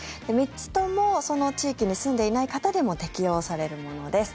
３つともその地域に住んでいない方でも適用されるものです。